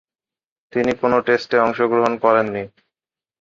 তিনি কোন টেস্টে অংশগ্রহণ করেননি।